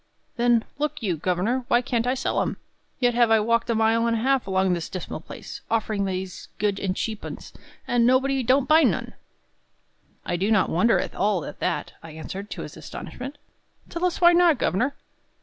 "Then, look you, governor, why can't I sell 'em? Yet have I walked a mile and a half along this dismal place, offering these good and cheap 'uns; and nobody don't buy none!" "I do not wonder at all at that," I answered, to his astonishment. "Tell us why not, governor."